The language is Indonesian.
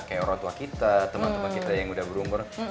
kayak orang tua kita teman teman kita yang udah berumur